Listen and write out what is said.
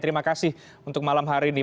terima kasih untuk malam hari ini